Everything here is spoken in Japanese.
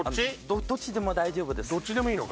どっちでも大丈夫です。